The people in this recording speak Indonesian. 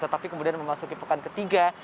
tetapi kemudian memasuki pekan ketiga